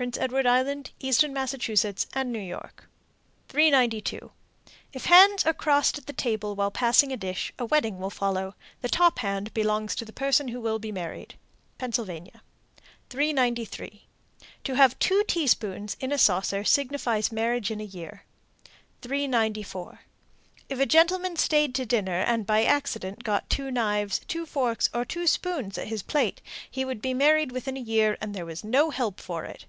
Prince Edward Island, Eastern Massachusetts, and New York. 392. If hands are crossed at the table while passing a dish, a wedding will follow. The top hand belongs to the person who will be married. Pennsylvania. 393. To have two teaspoons in a saucer signifies marriage in a year. 394. If a gentleman stayed to dinner and by accident got two knives, two forks, or two spoons, at his plate, he would be married within a year, and there was no help for it.